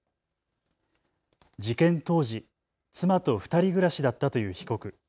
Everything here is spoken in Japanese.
事件当時、妻と２人暮らしだったという被告。